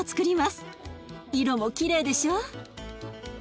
色もきれいでしょ？